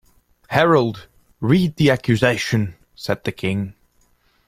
‘Herald, read the accusation!’ said the King.